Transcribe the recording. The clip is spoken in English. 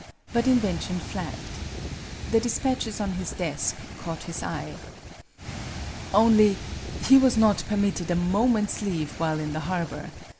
But invention flagged. The despatches on his desk caught his eye. " Only he was not permitted a moment's leave while in the harbor.